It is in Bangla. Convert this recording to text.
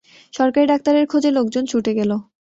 সরকারি ডাক্তারের খোঁজে লোকজন ছুটে গেল।